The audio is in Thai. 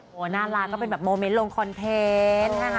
โอ้โหน่ารักก็เป็นแบบโมเมนต์ลงคอนเทนต์นะคะ